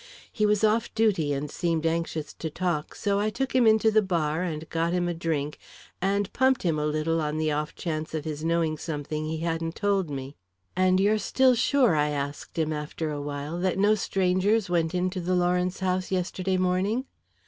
He was off duty and seemed anxious to talk, so I took him in to the bar, and got him a drink, and pumped him a little on the off chance of his knowing something he hadn't told me. "'And you're still sure,' I asked him after a while, 'that no strangers went into the Lawrence house yesterday morning?'